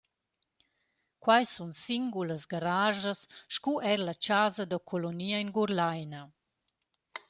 Quai sun singulas garaschas sco eir la chasa da collonia in Gurlaina.